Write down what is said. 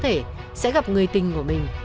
thao rất có thể sẽ gặp người tình của mình